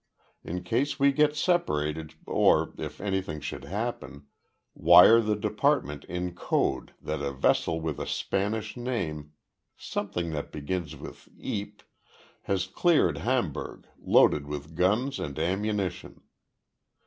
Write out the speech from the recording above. In case we get separated or if anything should happen wire the Department in code that a vessel with a Spanish name something that begins with 'Eep' has cleared Hamburg, loaded with guns and ammunition.